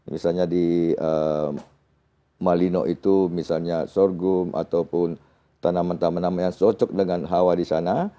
misalnya di malino itu misalnya sorghum ataupun tanaman tanaman yang cocok dengan hawa di sana